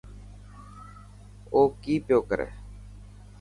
اوڪي پيو ڪري.